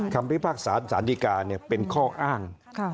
คำพิพากษาสันดิกาเนี่ยเป็นข้ออ้าง